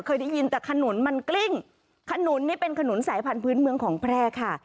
เคยได้ยินแต่ขนุนมันกลิ้งขนุนนี่เป็นขนุนสายพันธุ์เมืองของแพร่ค่ะ